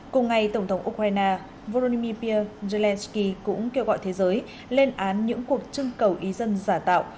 cùng ngày tổng thống ukraine volodymyr zelenskyy cũng kêu gọi thế giới lên án những cuộc trưng cầu y dân giả tạo